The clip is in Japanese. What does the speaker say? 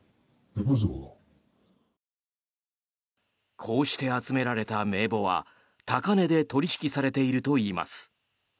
こうして集められた名簿は高値で取引されているといいます。